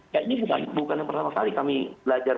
ya ini bukan yang pertama kali kami belajar